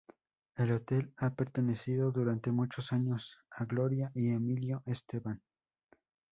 El hotel ha pertenecido durante muchos años a Gloria y Emilio Estefan.